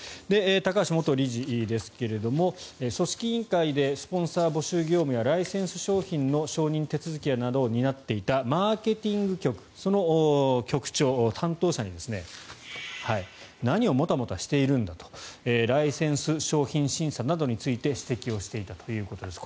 高橋元理事ですが、組織委員会でスポンサー募集業務やライセンス商品の承認手続きなどを担っていたマーケティング局その局長、担当者に何をもたもたしているんだとライセンス商品審査などについて指摘をしていたということです。